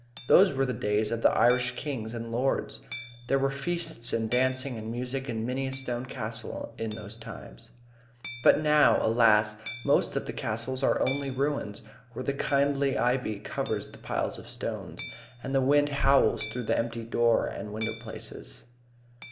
Those were the days of the Irish kings and lords. There were feasts and dancing and music in many a stone castle in those times. But now, alas, most of the castles are only ruins, where the kindly ivy covers the piles of stones, and the wind howls through the empty door and window places.